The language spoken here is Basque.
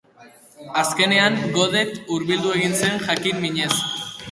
Azkenean, Godet hurbildu egin zen, jakin-minez.